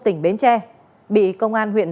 tỉnh bến tre bị công an huyện